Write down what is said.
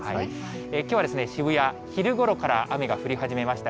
きょうは渋谷、昼ごろから雨が降り始めました。